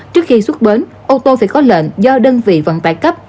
trước khi xuất bến ô tô phải có lệnh do đơn vị vận tải cấp